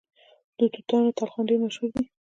د توتانو تلخان ډیر مشهور دی.